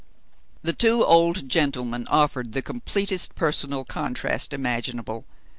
The two old gentlemen offered the completest personal contrast imaginable.